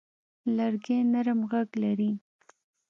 لرګی نرم غږ لري.